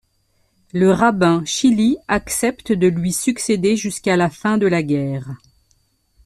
Le rabbin Schilli accepte de lui succéder jusqu'à la fin de la guerre.